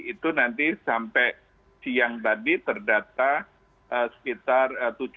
itu nanti sampai siang tadi terdata sekitar tujuh ratus lima puluh